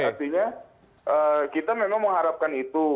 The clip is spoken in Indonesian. artinya kita memang mengharapkan itu